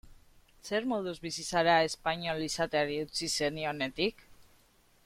Zer moduz bizi zara espainol izateari utzi zenionetik?